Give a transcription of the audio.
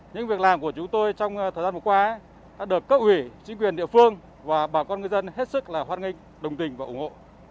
những việc làm của chúng tôi trong thời gian vừa qua đã được cấp ủy chính quyền địa phương và bà con ngư dân hết sức là hoan nghênh đồng tình và ủng hộ